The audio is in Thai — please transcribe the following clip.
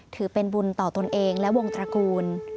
ถือเป็นบุญต่อตนเองและวงตระกูล